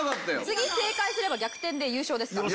次正解すれば逆転で優勝ですから。